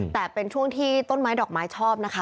แต่เป็นช่วงที่ต้นไม้ดอกไม้ชอบนะคะ